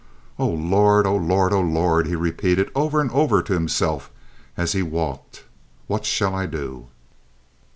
"Oh, Lord! Oh, Lord! Oh, Lord!" he repeated, over and over to himself, as he walked. "What shall I do?"